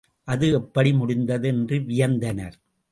அது எப்படி முடிந்தது? என்று வியந்தனர்.